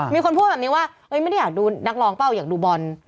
มีคนพูดแบบนี้ว่าไม่ได้อยากดูนักร้องเปล่าอยากดูบอล